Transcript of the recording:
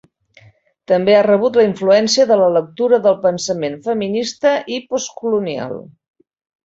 També ha rebut la influència de la lectura del pensament feminista i postcolonial.